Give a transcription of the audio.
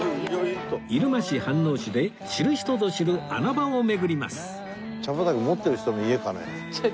入間市飯能市で知る人ぞ知る穴場を巡ります